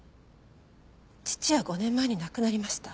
父は５年前に亡くなりました。